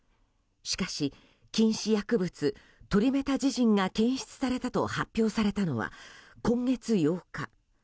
しかし、禁止薬物トリメタジジンが検出されたと発表されたのは、今月８日。